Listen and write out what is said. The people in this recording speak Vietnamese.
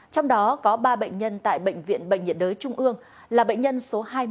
trong đó có ba bệnh nhân tại bệnh viện bệnh nhiệt đới trung ương là bệnh nhân số hai mươi